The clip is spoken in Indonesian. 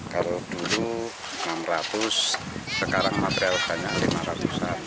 kalau dulu enam ratus sekarang material banyak lima ratus an